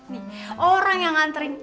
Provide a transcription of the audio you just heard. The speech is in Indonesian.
nih orang yang nganterin